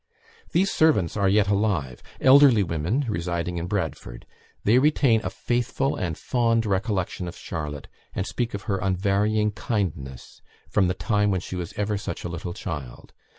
These servants are yet alive; elderly women residing in Bradford. They retain a faithful and fond recollection of Charlotte, and speak of her unvarying kindness from the "time when she was ever such a little child!"